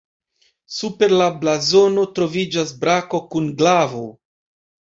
Super la blazono troviĝas brako kun glavo.